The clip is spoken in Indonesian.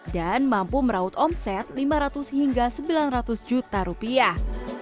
dan mampu meraut omset lima ratus hingga sembilan ratus juta rupiah